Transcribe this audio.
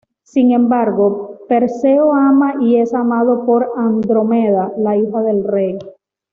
Sin embargo, Perseo ama y es amado por Andrómeda, la hija del rey.